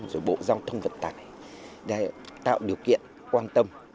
rồi bộ giao thông vận tải tạo điều kiện quan tâm